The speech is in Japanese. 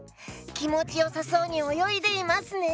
きもちよさそうにおよいでいますね！